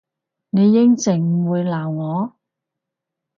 你應承唔會鬧我？